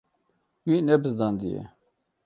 Wî nebizdandiye.